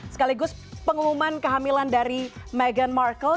sekaligus pengumuman kehamilan dari meghan markle